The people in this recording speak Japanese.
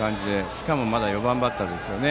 しかもまだ４番バッターですよね。